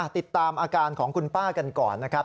ติดตามอาการของคุณป้ากันก่อนนะครับ